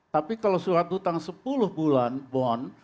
tapi kalau surat utang sepuluh bulan